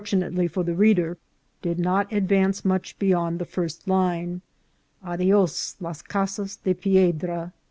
359 nately for the reader, did not advance much beyond the first line :" Adios, Las Casas de Piedra."